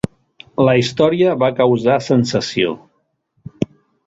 La història va causar sensació.